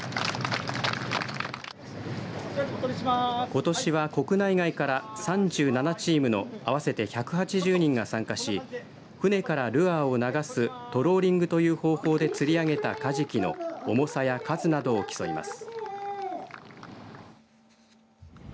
ことしは国内外から３７チームの合わせて１８０人が参加し船からルアーを流すトローリングという方法で釣り上げたカジキの重さや数などを競います。